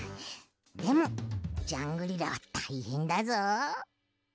でもジャングリラはたいへんだぞ。